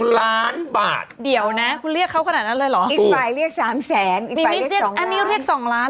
ล้านบาทเดี๋ยวนะคุณเรียกเขาขนาดนั้นเลยเหรออีกฝ่ายเรียก๓แสนเดี๋ยว